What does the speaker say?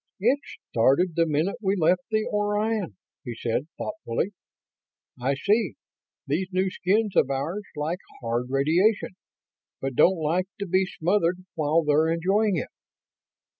"It started the minute we left the Orion," he said, thoughtfully. "I see. These new skins of ours like hard radiation, but don't like to be smothered while they're enjoying it.